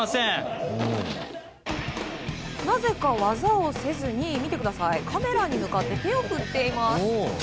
なぜか技をせずにカメラに向かって手を振っています。